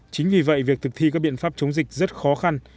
chính vì vậy việc thực thi các biện pháp chống dịch rất khó khăn